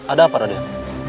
ada apa raden